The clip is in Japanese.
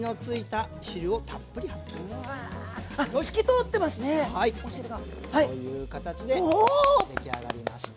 お汁が。という形で出来上がりました。